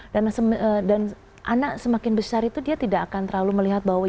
dan anak semakin besar itu dia tidak akan terlalu melihat bawah